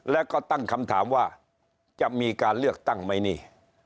แล้วก็ตั้งคำถามว่าจะมีการเลือกตั้งไหมนี่